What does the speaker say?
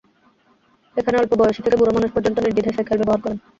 এখানে অল্প বয়সী থেকে বুড়ো মানুষ পর্যন্ত নির্দ্বিধায় সাইকেল ব্যবহার করেন।